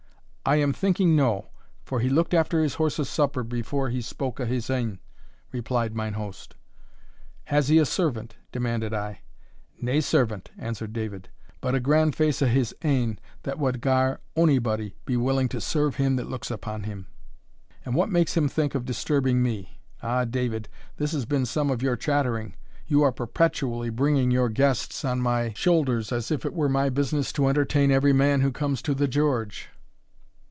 "I am thinking no, for he looked after his horse's supper before he spoke o' his ain," replied mine host. "Has he a servant?" demanded I. "Nae servant," answered David; "but a grand face o' his ain, that wad gar ony body be willing to serve him that looks upon him." "And what makes him think of disturbing me? Ah, David, this has been some of your chattering; you are perpetually bringing your guests on my shoulders, as if it were my business to entertain every man who comes to the George."